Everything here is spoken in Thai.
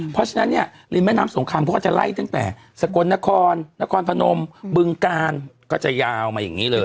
เพราะฉะนั้นเนี่ยริมแม่น้ำสงครามเขาก็จะไล่ตั้งแต่สกลนครนครพนมบึงกาลก็จะยาวมาอย่างนี้เลย